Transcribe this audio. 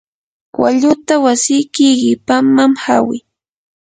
walluta wasiyki qipamman hawi.